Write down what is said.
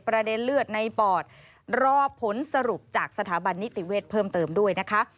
ประเด็นเลือดในปอดรอผลสรุปจากสถาบันนิติเวชเพิ่มเติมด้วยนะคะ